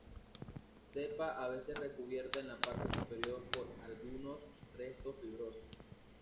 Cepa a veces recubierta en la parte superior por algunos restos fibrosos.